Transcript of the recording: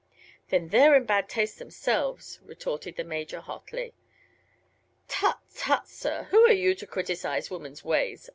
"Then they're in bad taste themselves!" retorted the Major, hotly. "Tut tut, sir; who are you to criticise woman's ways?"